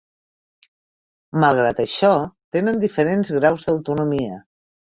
Malgrat això, tenen diferents graus d'autonomia.